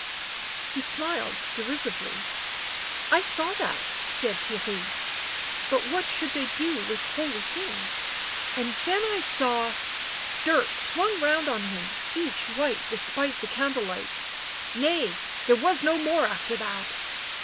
He smiled derisively. " I saw that," said Theirry. " But what should they do with holy things? — and then I saw " Dirk swung round on him ; each white despite the candle light. " Nay — there was no more after that!"